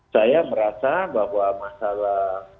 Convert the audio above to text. saya merasa bahwa masalah